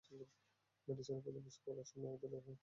মেডিসিনে প্রথম বর্ষে পড়ার সময়ই আমাদের দেখা হয়।